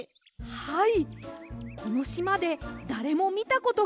はい。